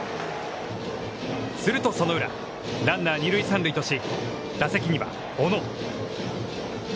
すると、その裏。ランナー二塁三塁とし、打席には小野。